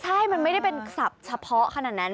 ใช่มันไม่ได้เป็นศัพท์เฉพาะขนาดนั้น